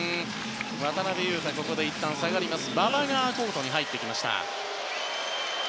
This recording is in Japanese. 渡邊雄太がここでいったん下がって馬場がコートに入ってきました。